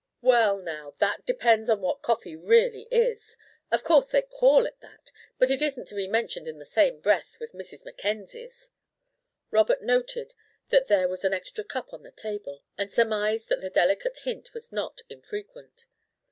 "Well, now, that depends on what coffee really is. Of course they called it that, but it isn't to be mentioned in the same breath with Mrs. Mackenzie's." Robert noted that there was an extra cup on the table, and surmised that the delicate hint was not infrequent.